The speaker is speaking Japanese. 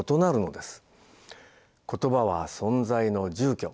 「言葉は存在の住居」。